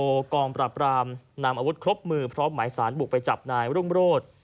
กองปราบรามนำอาวุธครบมือพร้อมหมายสารบุกไปจับนายรุ่งโรธ